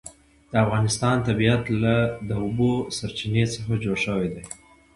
د افغانستان طبیعت له د اوبو سرچینې څخه جوړ شوی دی.